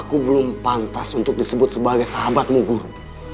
aku belum pantas untuk disebut sebagai sahabatmu guru